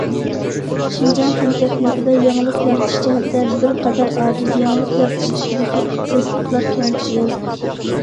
شىنجاڭ پەن- تېخنىكىدا يېڭىلىق يارىتىش جەھەتتە بىر قەدەر ئاجىز، يېڭىلىق يارىتىش تىپىدىكى ئىختىساسلىقلار كەمچىل.